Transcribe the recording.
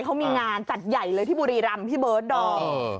เขามีงานจัดใหญ่เลยที่บุรีรำพี่เบิร์ดดอม